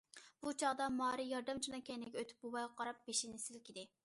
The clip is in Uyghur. بۇ چاغدا مارى ياردەمچىنىڭ كەينىگە ئۆتۈپ بوۋايغا قاراپ بېشىنى سىلكىدى.